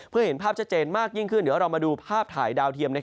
เพื่อเห็นภาพชัดเจนมากยิ่งขึ้นเดี๋ยวเรามาดูภาพถ่ายดาวเทียม